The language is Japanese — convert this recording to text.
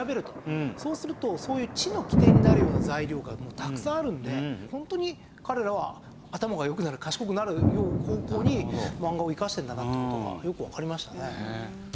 そうするとそういう知の起点になるような材料がたくさんあるのでホントに彼らは頭が良くなる賢くなるような方向に漫画を生かしてるんだなって事がよくわかりましたね。